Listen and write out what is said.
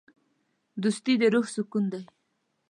دوستي د روح سکون دی.